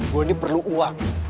gue ini perlu uang